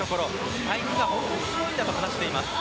スパイクが本当にすごいんだと話しています。